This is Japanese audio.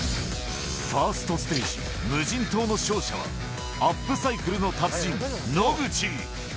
ファーストステージ、無人島の勝者は、アップサイクルの達人、野口。